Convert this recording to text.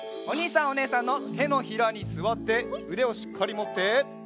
おにいさんおねえさんのてのひらにすわってうでをしっかりもって。